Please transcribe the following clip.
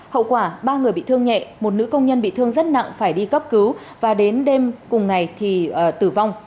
hậu quả ba người bị thương nhẹ một nữ công nhân bị thương rất nặng phải đi cấp cứu và đến đêm cùng ngày thì tử vong